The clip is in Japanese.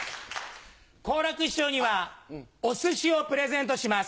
好楽師匠にはお寿司をプレゼントします。